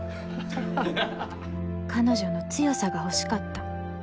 ・ははははっ彼女の強さが欲しかった。